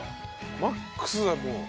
マックスだもう。